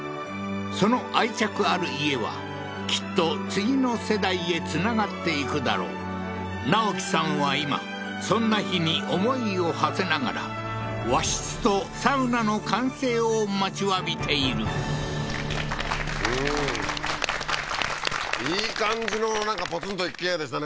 その愛着ある家はきっと次の世代へつながっていくだろう直樹さんは今そんな日に思いをはせながら和室とサウナの完成を待ちわびているいい感じのなんかポツンと一軒家でしたね